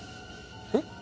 「えっ？」